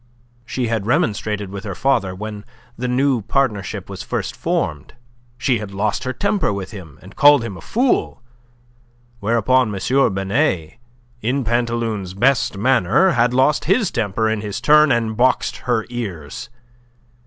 She had remonstrated with her father when the new partnership was first formed. She had lost her temper with him, and called him a fool, whereupon M. Binet in Pantaloon's best manner had lost his temper in his turn and boxed her ears.